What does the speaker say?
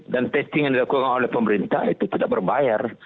dan testing yang dilakukan oleh pemerintah itu tidak berbayar